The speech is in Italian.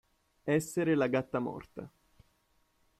Essere la gatta morta.